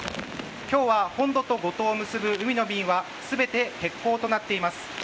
今日は本土と五島を結ぶ海の便は全て欠航となっています。